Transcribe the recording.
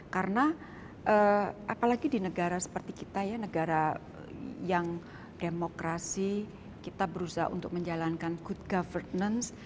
karena apalagi di negara seperti kita ya negara yang demokrasi kita berusaha untuk menjalankan good governance